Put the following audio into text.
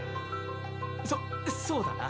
そそうだな。